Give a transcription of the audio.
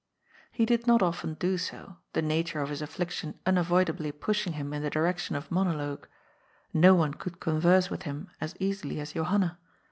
He did not often do so, the nature of his affliction un avoidably pushing him in the direction of monologue. Ko one could converse with him as easily as Johanna.